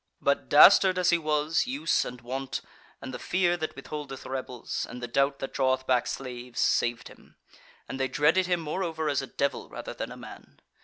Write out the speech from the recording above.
But, dastard as he was, use and wont, and the fear that withholdeth rebels, and the doubt that draweth back slaves, saved him; and they dreaded him moreover as a devil rather than a man.